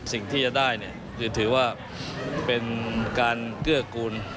สิ่งที่จะได้เนี่ยคือถือว่าเป็นการเกื้อกูล